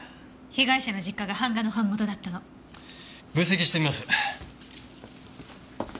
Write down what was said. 被害者の実家が版画の版元だったの。分析してみます。